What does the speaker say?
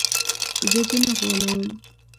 زه دې نه غولوم.